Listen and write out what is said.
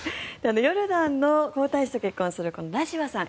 ヨルダンの皇太子と結婚するこのラジワさん